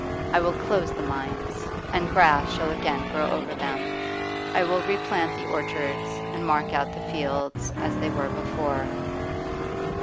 I will close the mines, and grass shall again grow over them; I will replant the orchards and mark out the fields as they were before.